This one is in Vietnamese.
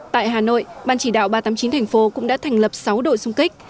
tại hà nội ban chỉ đạo ba trăm tám mươi chín thành phố cũng đã thành lập sáu đội xung kích